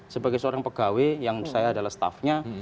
sebagai seorang pegawai yang saya adalah staffnya